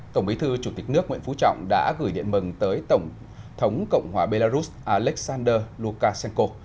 tổng bí thư chủ tịch nước nguyễn phú trọng đã gửi điện mừng tới tổng thống cộng hòa belarus alexander lukashenko